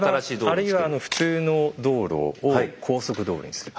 あるいは普通の道路を高速道路にする。